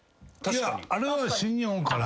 あれは新日本から。